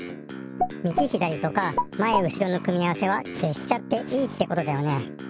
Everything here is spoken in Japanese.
みぎひだりとかまえうしろの組み合わせはけしちゃっていいってことだよね。